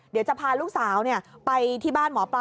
เดี๋ยวจะพาลูกสาวไปที่บ้านหมอปลา